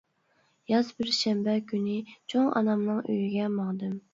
ياز بىر شەنبە كۈنى چوڭ ئانامنىڭ ئۆيىگە ماڭدىم.